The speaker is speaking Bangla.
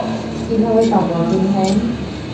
কীভাবে পাব, দুলহায়েন?